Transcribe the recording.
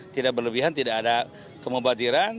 tidak berlebihan tidak ada kemubadiran